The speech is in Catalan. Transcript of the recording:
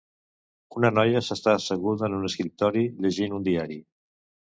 Una noia s'està asseguda en un escriptori llegint un diari.